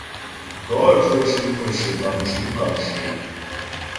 Gɔ cwə cʉm mə̌shyə bâm mcʉm kàmshyə.